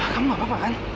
kamu gak apa apa kan